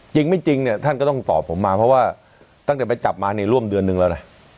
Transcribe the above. จริงไม่จริงเนี่ยท่านก็ต้องตอบผมมาเพราะว่าตั้งแต่ไปจับมาเนี่ยร่วมเดือนนึงแล้วนะ